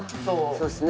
そうですね。